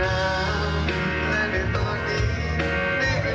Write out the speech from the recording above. หากวันสวัสดีก็จะมีแค่เพียงคุณ